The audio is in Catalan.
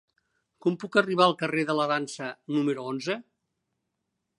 Com puc arribar al carrer de la Dansa número onze?